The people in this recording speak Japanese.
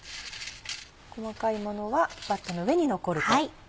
細かいものはバットの上に残ると。